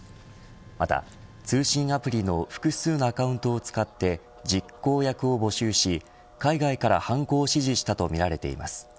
また、通信アプリの複数のアカウントを使って実行役を募集し海外から犯行を指示したとみられています。